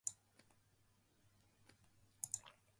ある幕で姉娘が妹娘を慰めながら、「私はあなたを高く評価します」と言った